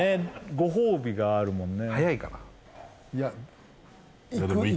ご褒美があるもんね早いかな？